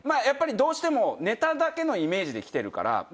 やっぱりどうしてもネタだけのイメージで来てるから。